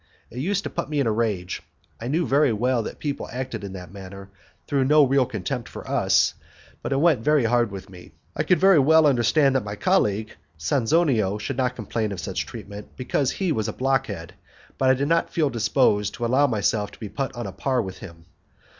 It used to put me in a rage. I knew very well that people acted in that manner through no real contempt for us, but it went very hard with me. I could very well understand that my colleague, Sanzonio, should not complain of such treatment, because he was a blockhead, but I did not feel disposed to allow myself to be put on a par with him.